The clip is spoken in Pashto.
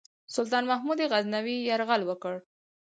سلطان محمود غزنوي یرغل وکړ.